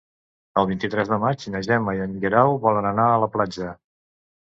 El vint-i-tres de maig na Gemma i en Guerau volen anar a la platja.